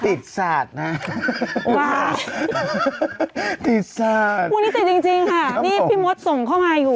ติดสาดนะว้าวติดสาดวันนี้ติดจริงค่ะนี่พี่มศส่งเข้ามาอยู่